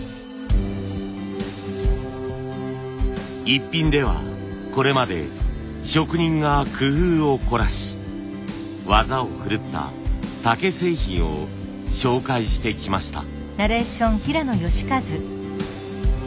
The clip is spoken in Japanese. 「イッピン」ではこれまで職人が工夫を凝らし技を振るった竹製品を紹介してきました。